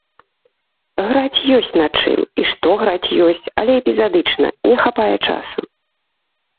Граць ёсць на чым, і што граць ёсць, але эпізадычна, не хапае часу.